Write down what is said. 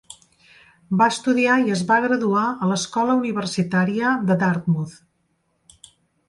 Va estudiar i es va graduar a l'Escola Universitària de Dartmouth.